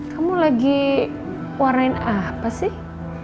kamu lagi warnain apa sih